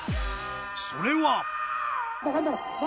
それは